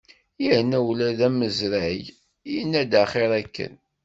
Yerna ula d amaẓrag, yenna-d axir akken.